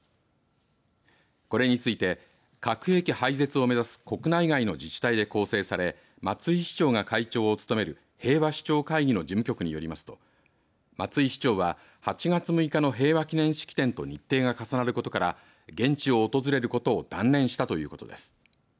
これについて核兵器廃絶を目指す国内外の自治体で構成され松井市長が会長を務める平和首長会議の事務局によりますと松井市長は８月６日の平和記念式典と日程が重なることから現地を訪れることを断念したということです。